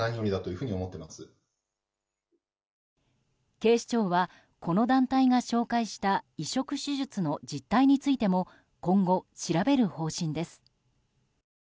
警視庁は、この団体が紹介した移植手術の実態についても今後、調べる方針です。